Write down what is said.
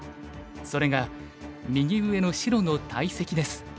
それが右上の白の大石です。